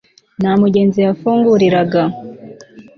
nta mugenzi yafunguriraga